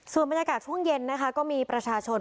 ส่วนบรรยากาศช่วงเย็นนะคะก็มีประชาชน